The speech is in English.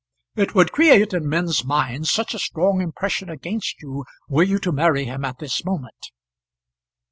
"It would create in men's minds such a strong impression against you, were you to marry him at this moment!"